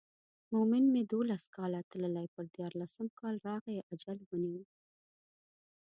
مومن مې دولس کاله تللی پر دیارلسم کال راغی اجل ونیو.